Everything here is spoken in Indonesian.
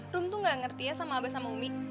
rum tuh gak ngerti ya sama abah sama umi